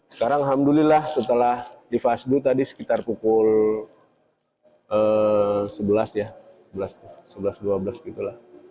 sekarang alhamdulillah setelah di fasdu tadi sekitar pukul sebelas ya sebelas dua belas gitu lah